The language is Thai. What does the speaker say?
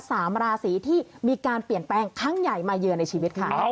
สามราศีที่มีการเปลี่ยนแปลงครั้งใหญ่มาเยือนในชีวิตค่ะ